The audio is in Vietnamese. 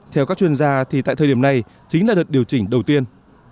theo các chuyên gia thì tại thời điểm này chính là đợt điều chỉnh đầu tiên